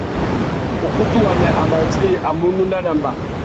Ukutu wamê a má djï a munú nanamba.